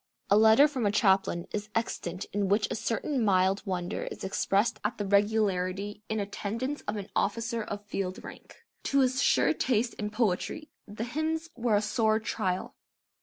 A letter from a chaplain is extant in which a certain mild wonder is expressed at the regularity in attendance of an officer of field rank. To his sure taste in poetry the hymns were a sore trial.